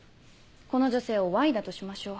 この女性をＹだとしましょう。